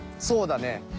そうだね。